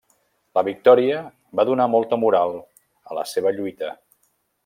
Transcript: La victòria va donar molta moral a la seva lluita.